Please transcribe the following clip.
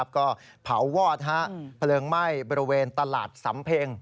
ก็เผาวอดเพลิงไหม้บริเวณตลาดสำเพ็ง